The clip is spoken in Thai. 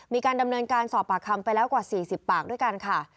มีการดำเนินการสอบปากคำไปแล้วกว่า๔๐ปากด้วยกันค่ะ